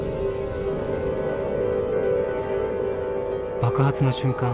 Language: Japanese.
「爆発の瞬間